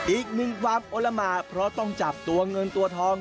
อีกหนึ่งความโอละหมาเพราะต้องจับตัวเงินตัวทอง